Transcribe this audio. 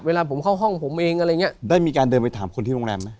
เวลาผมเข้าห้องผมเองอะไรอย่างเงี้ยได้มีการเดินไปถามคนที่โรงแรมไหม